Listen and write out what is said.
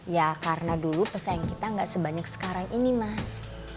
ya karena dulu pesaing kita gak sebanyak sekarang ini mas